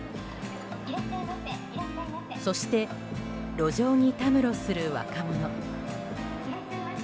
そして路上にたむろする若者。